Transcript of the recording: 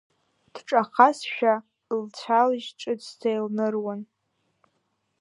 Дҿахазшәа лцәалжь ҿыцӡа илныруан.